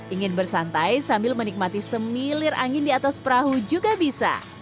ingin bersantai sambil menikmati semilir angin di atas perahu juga bisa